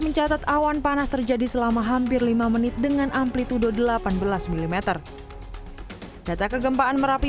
mencatat awan panas terjadi selama hampir lima menit dengan amplitude delapan belas mm data kegempaan merapi